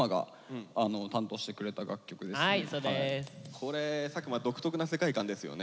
これ佐久間独特な世界観ですよね。